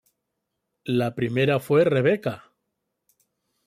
La primera fue "Rebecca".